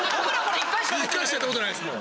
１回しかやったことないですもん。